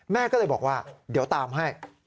แม่ก็เลยบอกว่าเดี๋ยวตามให้